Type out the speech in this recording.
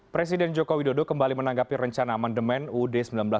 presiden joko widodo kembali menanggapi rencana amandemen uud seribu sembilan ratus empat puluh lima